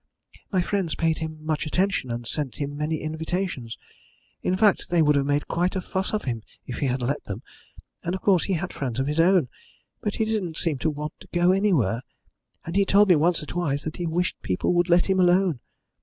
My friends paid him much attention and sent him many invitations in fact, they would have made quite a fuss of him if he had let them and, of course, he had friends of his own, but he didn't seem to want to go anywhere, and he told me once or twice that he wished people would let him alone.